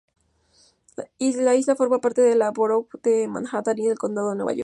La isla forma parte de Borough de Manhattan y el condado de Nueva York.